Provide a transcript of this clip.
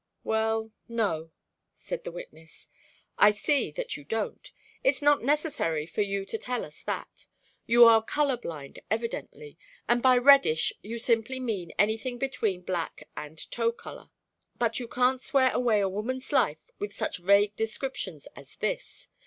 "Well no," said the witness. "I see that you don't. It's not necessary for you to tell us that. You are color blind evidently, and by 'reddish' you simply mean anything between black and tow color. But you can't swear away a woman's life with such vague descriptions as this.